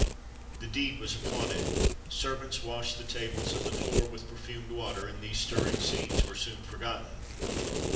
The deed was applauded; servants washed the tables and the floor with perfumed water, and these stirring scenes were soon forgotten.